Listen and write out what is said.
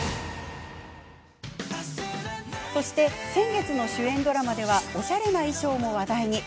そして、先月の主演ドラマではおしゃれな衣装も話題に。